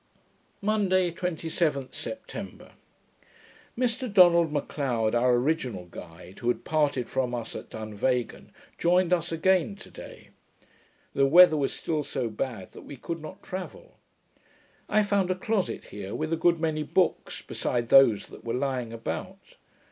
Monday, 27th September Mr Donald M'Leod, our original guide, who had parted from us at Dunvegan, joined us again to day. The weather was still so bad that we could not travel. I found a closet here, with a good many books, beside those that were lying about.